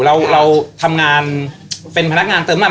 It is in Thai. เราทำงานเป็นพนักงานเติมน้ำมัน